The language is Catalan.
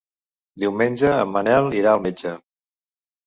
Diumenge en Manel irà al metge.